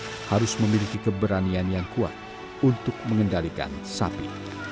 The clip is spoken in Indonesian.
mereka harus memiliki keberanian yang kuat untuk mengendalikan sapi